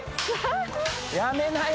やめなよ！